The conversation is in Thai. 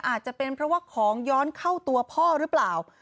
อาจจะเป็นเพราะว่าของย้อนเข้าตัวพ่อหรือเปล่า